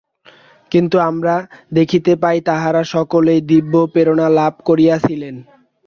কিন্তু আমরা দেখিতে পাই তাঁহারা সকলেই দিব্য প্রেরণা লাভ করিয়াছিলেন।